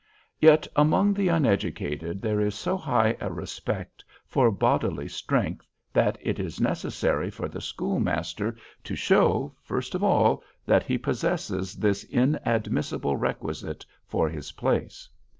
Yet among the uneducated there is so high a respect for bodily strength, that it is necessary for the schoolmaster to show, first of all, that he possesses this inadmissible requisite for his place.